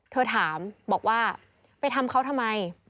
เธอถามบอกว่าไปทำเขาทำไม